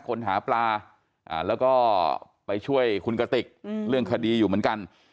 คนหาปลาแล้วก็ไปช่วยคุณกติกเรื่องคดีอยู่เหมือนกัน